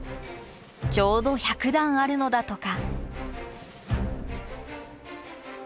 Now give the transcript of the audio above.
ちょうど１００段あるのだとか。